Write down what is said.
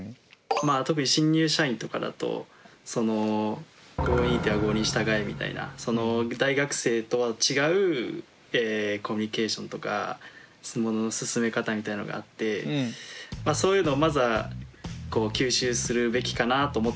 まあ特に新入社員とかだと「郷に入っては郷に従え」みたいな大学生とは違うコミュニケーションとかものの進め方みたいなのがあってそういうのをまずは吸収するべきかなと思って。